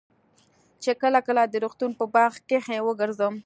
چې کله کله د روغتون په باغ کښې وګرځم.